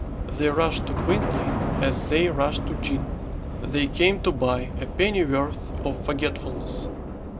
They rushed to Gwynplaine as they rushed to gin. They came to buy a pennyworth of forgetfulness.